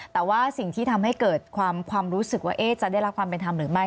แต่ว่าสิ่งที่ทำให้เกิดความรู้สึกว่าจะได้รับความเป็นธรรมหรือไม่